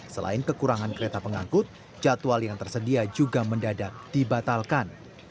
selain kekurangan kereta pengangkut jadwal yang tersedia juga mendadak dibatalkan